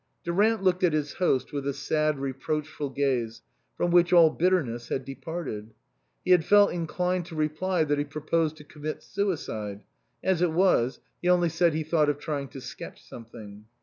Durant looked at his host with a sad reproach ful gaze from which all bitterness had departed. He had felt inclined to reply that he proposed to commit suicide ; as it was, he only said he thought of trying to sketch something.